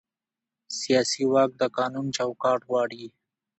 سیاسي واک د قانون چوکاټ غواړي